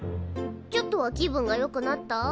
ちょっとは気分がよくなった？